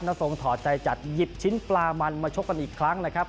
ทรงถอดใจจัดหยิบชิ้นปลามันมาชกกันอีกครั้งนะครับ